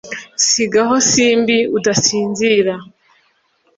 Sigaho simbi udasinzira